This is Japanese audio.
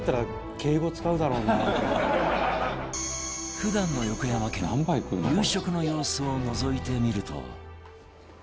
普段の横山家の夕食の様子をのぞいてみると